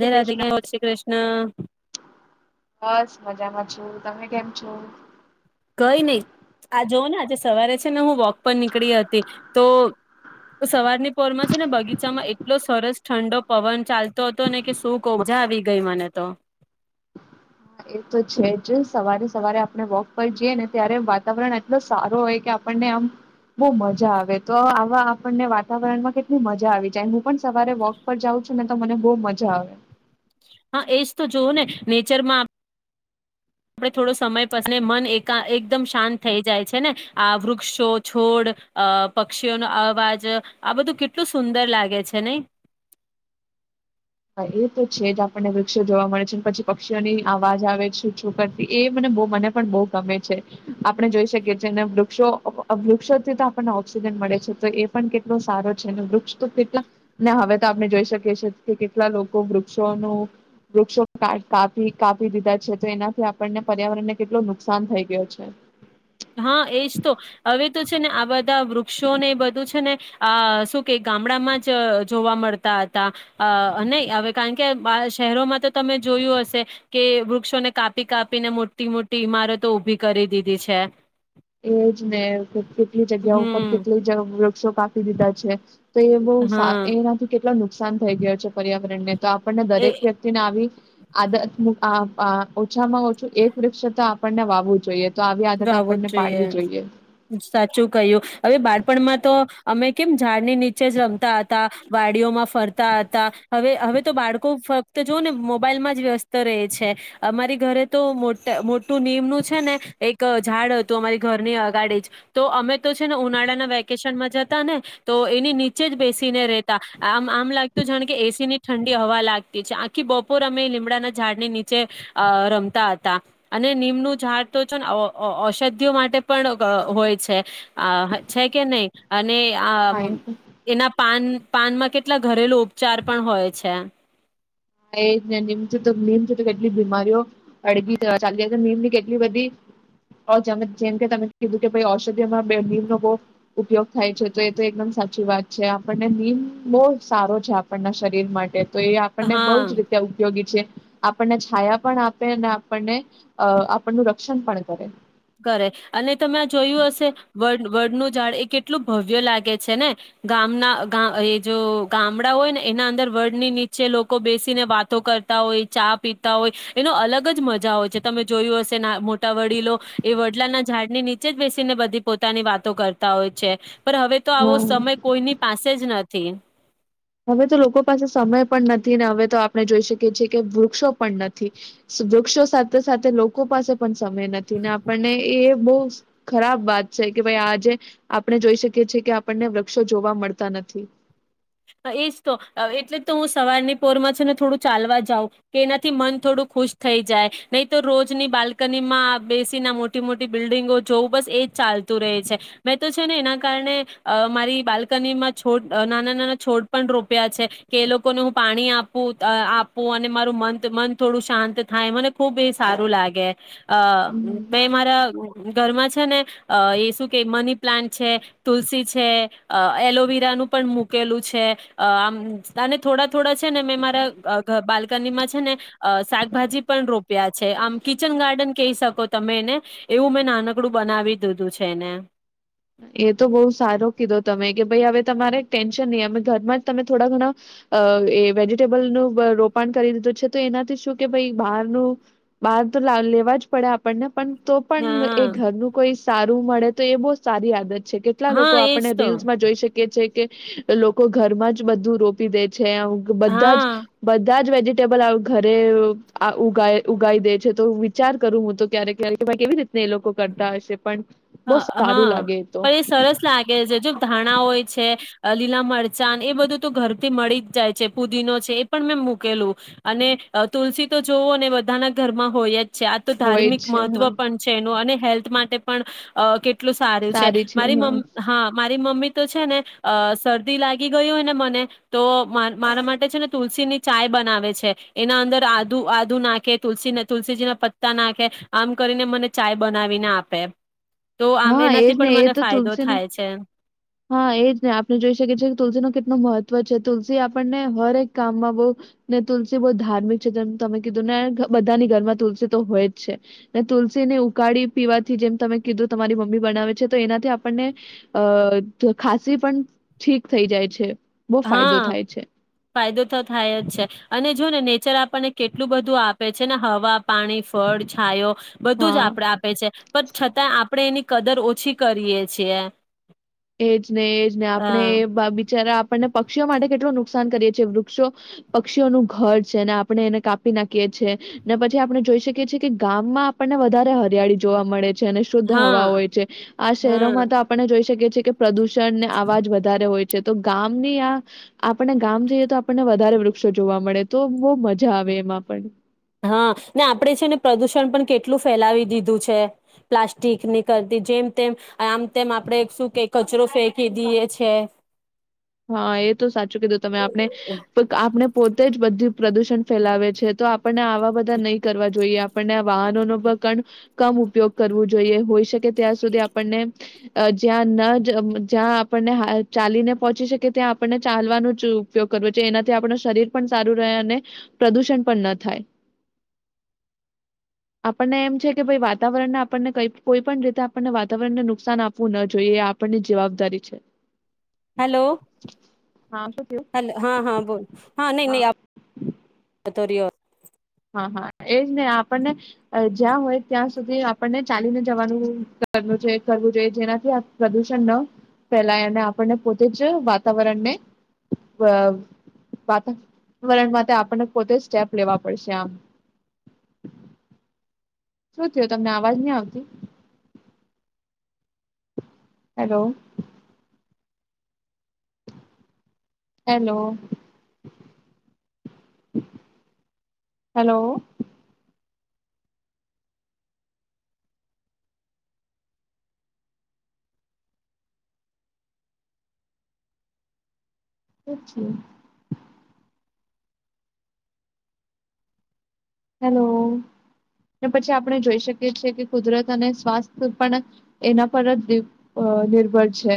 રાધે રાધે કૃષ્ણ જય શ્રી કૃષ્ણ બસ મજામાં છું તમે કેમ છો. કઈ નહી આ જોવ ને આજે સવારે છે ને હું વોક પર નીકળી હતી તો સવારની. પો ર માં છેને બગીચામાં. એટલો સરસ ઠંડો પવન ચાલતો. ચાલતો હતો ને કે શું કવ મજા આવી ગઈ મને તો. એ તો છે જ સવારે સવારે આપણે વોક પર જઈએ ને ત્યારે વાતાવરણ આટલ સારો હોય કે આપણને આમ બો મજા આવે તો આવા આપણને વાતાવરણમાં કેટલી મજા આવી જાય હું પણ સવારે વોક પર જાઉં છું ને તો મને બહ મજા આવે હા એજ તો જોવું ને નેચરમાં આપણે થોડો સમય બદલે મન એકાત એકદમ શાંત થઈ જાય છે ને આ વૃક્ષો છોડ પક્ષીઓનો અવાજ આ બધું કેટલું સુંદર લાગે છે ને. હા એ તો છે જ આપણને વૃક્ષો જોવા મળે છે પછી પક્ષીઓની આ વાજ આવે છે છો કરતી એ મને મને પણ બહુ ગમે છે આપણે જોઈ શકીએ છેએ વૃક્ષો વૃક્ષોથી તો આપણને ઓક્સિજન મળે છે તો એ પણ કેટલો સારો છે વૃક્ષ તો કેટલા ને હવે તો આપણે જોઈ શકીએ છેએ. કે કેટલા લોકો વૃક્ષોનું વૃક્ષો કાપી દીધા છે તો એનાથી આપણને પર્યાવરણ ને કેટલું નુકસાન થઈ ગયો છે. હા એજ તો હવે તો છે ને આ બધા વૃક્ષોને એ બધું છે ને આ શું કે ગામડામાં જ જોવા મળતા હતા નહી હવે કારણ કે આ શહેરોમાં તો તમે જોયું હશે કે વૃક્ષોને કાપી કાપીને મોટી મોટી ઈમારતો ઊભી કરી દીધી છે. એજ ને કે કેટલી જગ્યા ઉપર હમ કેટલી [unintelligible] વક્ષો કાપી દીધા છે. તો એ બો હા એનાથી કેટલાુ. નુકસાન થઈ ગય છે પર્યાવરણને. તો આપણને એ દરેક વ્યક્તિને આવી. આ આ ઓછામાં ઓછું એક વૃક્ષ તો આપણને વાવું જોઈએ. તો આવી આદત આપણને. પાડવી જોઈએ જો સાચું કય્યું હવે બાળપણમાં તો અમે કેમ ઝાડની નીચે જ રમતા હતા, વાડીઓમાં ફરતા હતા હવે હવે તો બાળકો ફક્ત જોઓ ને મોબાઈલમાં જ વ્યસ્ત રહે છે અમારી ઘરે તો મોટું નિયમનું છે ને એક ઝાડ હતું. અમારી ઘરની અગાડી જ તો અમે તો છે ને ઉનાળાના વેકેશનમાં જતા ને તો એની નીચે જ બેસીને રે તા આમ આમ લાગતું જાણે કે એસી ઠંડી હવા લાગતી છે. આખી બપોર અમે લીમડાના ઝાડની નીચે અ રમતા હતા અને નીમનું ઝાડ તો છો ને ઔષધિઓ માટે પણ હોય છે છે કે નહીં અને આ હા એના પાન પાનમાં કેટલા ઘરેલુ ઉપચાર પણ હોય છે. હા એમથી નીમથી તો કેટલી બીમારીઓ અડગી ચાલી છે. નીમની કેટલી બધી જેમકે તમે કીધું કે ઔષધિમાં નીમનો બહ ઉપયોગ થાય છે તો એ તો એકદમ સાચી વાત છે આપણને નીમ બહુ સારો છે. આપણના શરીર માટે. તો એ આપણને બહુ હા જ રીતે ઉપયોગી છે. આપણને છાયા પણ આપે અને આપણને આપણનું રક્ષણ પણ કરે. કરે અને તમે આ જોયું હશે વડનું ઝાડ એ કેટલું ભવ્ય લાગે છે ને ગામના એ જો ગામડા હોય ને એના અંદર વડની નીચે લોકો બેસીને વાતો કરતા હોય, ચા પીતા હોય એનો અલગ જ મજા હોય છે તમે જોયું હશે ના મોટા વડીલો એ વડલાના ઝાડની નીચે જ બેસીને બધી પોતાની વાતો કરતા હોય છે. પણ હવે તો આવો હા સમય કોઈની પાસે જ ન ચીન. હવે તો લોકો પાસે સમય પણ નથી. હવે તો આપણે જોઈ શકીએ છીએ કે વૃક્ષો પણ નથી. વૃક્ષો સાથે સાથે લોકો પાસે પણ સમય નથી ને આપણને એ બો ખરાબ વાત છે કે ભાઈ આજે આપણે જોઈ શકીએ છીએ કે આપણને વૃક્ષો જોવા મળતા નથી. એજ તો એટલે તો હું સવારની પોરમાં છે ને થોડું ચાલવા જાઉં કે એનાથી મન થોડું ખુશ થઈ જાય નહી તો રોજની બાલ્કનીમાં બેસી ના મોટી મોટી બિલ્ડિંગો જોવ બસ એજ ચાલતું રહે છે મેં તો છે ને એના કારણે મારી બાલ્કનીમાં છોડ નાના નાના. છોડ પણ રોપ્યા છે કે એ લોકોને હું પાણી આપું આપું અને મારું મન મન થોડું શાંત થાય મને ખુબ એ સારું લાગે. અ હમ બે મારા. ઘરમાં છે ને અ એ શું કે મની પ્લાન્ટ છે તુલસી છે એલોવેરા નું પણ મૂકેલું છે. છે આમ અને થોડા થોડા. ને મેં મારા બા બાલકની માં છે ને શાકભાજી પણ રોપયા છે આમ કિચન ગાર્ડન કહી શકો તમે એને એવું મેં નાનકડું બનાવી દીધું છે એને. એ તો બહુ સારો કીધો તમે કે ભાઈ હવે તમારે ટેન્શન નહી અમે ઘરમાં જ તમે થોડા ઘણા એ વેજીિટેબલનું રોપણ કરી દીધું છે તો એનાથી શું કે ભાઈ બહારનું બહાર તો લેવા જ પડે આપણને. પણ તો પણ એ હા ઘરનું કોઈ. સારું મળે તો એ બો સારી આદત. છે કેટલા હા લોકો એજ આપણે તો રીલ્સમાં જોઈ શકીએ જે કે. લોકો ઘરમાં જ બધું રોપી દે છે. બધા હા જ બધા જ વે ટેબલ આવુ ઘરે ઉગી દે છે તો વિચાર કરું હું તો ક્યારેક ક્યારેક કેવી રીતે. એ લોકો કરતા હશે પણ. બહુ હા સારું હા. લાગે તો પણ એ સરસ લાગે છે. જબ ધાણા હોય છે, લીલા મરચાં ને એ બધું તો ઘરથી મળી જ જાય છે પુદીનો છે એ પણ મેં મૂકેલું અને તુલસી તો જોવો ને બધાના ઘરમાં હોય. છે આ તો હોય જ ધાર્મિક છે મહત્વ હા પણ છે એનું અને હેલ્થ માટે પણ અ કેટ ટલું સારું છે સારી મારી હા મમ હા મારી મમ્મી તો છે ને અ શરદી લાગી ગય હોય ને મને તો મારા માટે છે ને તુલસી ની ચાય બનાવે છે. એના અંદર આદુ આદુ નાખે તુલસી તુલસીજી ના પત્તા નાખે આમ કરીને મને ચાય બનાવીને આપે. તો આમ હા એજ એનાથી ને પણ એ મને તો ફાયદો તુલસીનો થાય છે. હા એ જ ને આપણે જોઈ શકીએ છીએ કે તુલસી નો કેટલું મહત્વ છે. તુલસી આપણને હરક કામમાં બહ ને તુલસી બહ ધાર્મિક છે. જેમ તમે કીધું ને બધાની ઘરમાં તુલસી તો હોય જ છે ને તુલસીને ઉકાળી પીવાથી જેમ તમે કીધું તમારી મમ્મી બનાવે છે. તો એનાથી આપણને અ તો ખાંસી પણ ઠીક થઈ જાય છે. બહુ ફાયદો હા થાય છે ફાયદો તો થાય જ છે અને જો ને નેચ ચર આપણને કેટલું બધું આપે છે ને હવા, પાણી, ફળ છાયો બધું હા જ આપડે આપે છે પણ છતાં આપણે એની કદર ઓછી કરીએ છીએ. એજ ને એજ ને અ આપણે એ બિચારા ને પક્ષીઓ માટે કેટલું નુક નુકસાન કરીએ છીએ. વૃક્ષો પક્ષીઓનું ઘર છે ને આપણે એને કાપી નાખીએ છીએ ને પછી આપણે જોઈ શકીએ છીએ કે ગામમાં આપણને વધારે હરિયાળી જોવા મળે છે. અને શુદ્ધ હવા હા હોય છે. આ હા શહેરોમાં તો આપણે જોઈ શકીએ છીએ કે પ્રદુષણ [unintelligible] ને આવાજ વધારે હોય. તો ગામ ની આ આપને ગામ જઈએ તો આપણને વધારે વૃક્ષો જોવા મળે તો બહુ મજા આવે એમાં પણ. હા ને આપણે છે ને પ્રદુષણ પણ કેટલું ફેલાવી દીધું છે. પ્લાસ્ટિકની કરતી જેમ તેમ આમ તેમ આપણે શું કે કચરો ફેંકી દઈએ છે. હા એ તો સાચું કીધું તમે આપણે આપણે પોતે જ બધું પ્રદુષણ ફેલાવે છે તો આ આપડને આવા બધા નહી કરવા જોઈએ. આપને વાહનો ન પણ કમ ઉપયોગ કરવો જોઈએ. હોઈ શકે ત્યાં સુધી આપણને જ્યાં ન જ્યાં આપણને ચાલીને પહોંચી શકે ત્યાં આપણને ચાલવાનો જ ઉપયોગ કરવો. જો છે એનાથી આપણ શરીર પણ સારું રહે અને પ્રદુષણ પણ ન થાય આપણને એમ છે કે ભાઈ વાતાવરણને આપણને કોઈ પણ રીતે આપણને વાતાવરણને નુકસાન આપવું ન જોઈએ એ આપણની જવાબદારી છે. હેલો, હા, શું થયું? હલો હા હા બોલ હા નહીં નહી તો રયો. હા હા એજ ને આપ આપણને જ્યાં હોય ત્યાં જ સુધી આપણને ચાલીને જવાનું કરવું જોઈએ જેનાથી પ્રદુષણ ન ફેલાય અને આપણને પોતે જ વાતાવરણને વાતાવરણ માટે આપણને પોતે સ્ટેપ લેવા પડે. [unintelligible] શું થયું તમને અવાજ નહી આવતી? હલો. Hello hello. પછી હેલો, પછી આપણે જોઈ શકીએ છીએ કે કુદરત અને સ્વાસ્થ્ય પણ એના પર જ નિર્ભર છે.